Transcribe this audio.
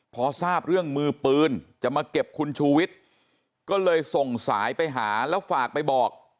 พอทราบเรื่องมือปืนจะมาเก็บคุณชูวิทย์ก็เลยส่งสายไปหาแล้วฝากไปบอก